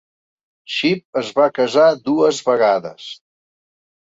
Chipp es va casar dues vegades.